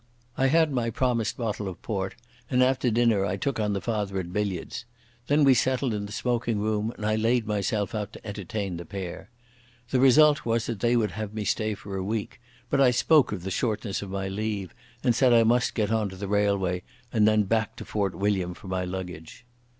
I had my promised bottle of port, and after dinner I took on the father at billiards. Then we settled in the smoking room, and I laid myself out to entertain the pair. The result was that they would have me stay a week, but I spoke of the shortness of my leave, and said I must get on to the railway and then back to Fort William for my luggage.